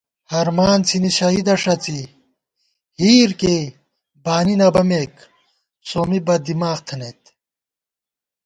ہرمان څِھنی شہیدہ ݭڅی ہِیرکېئی بانی نہ بَمېک سومّی بد دِماغ تھنَئیت